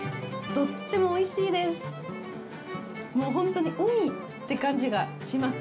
とってもおいしいです！